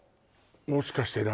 もしかして何？